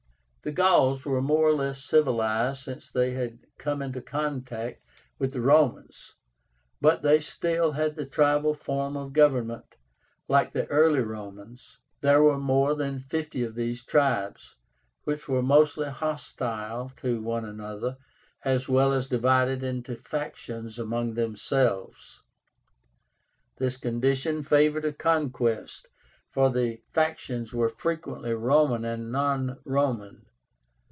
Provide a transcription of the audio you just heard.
The Gauls were more or less civilized since they had come into contact with the Romans, but they still had the tribal form of government, like the early Romans. There were more than fifty of these tribes, which were mostly hostile to one another, as well as divided into factions among themselves. This condition favored a conquest, for the factions were frequently Roman and non Roman.